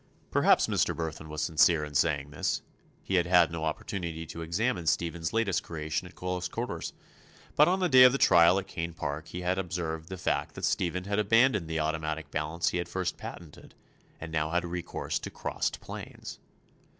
Perhaps Mr. Burthon was sincere in saying this. He had had no opportunity to examine Stephen's latest creation at close quarters, but on the day of the trial at Kane Park he had observed the fact that Stephen had abandoned the automatic balance he had first patented, and now had recourse to crossed planes.